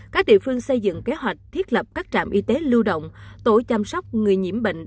các địa phương xây dựng kế hoạch thiết lập các trạm y tế lưu động tổ chăm sóc người nhiễm bệnh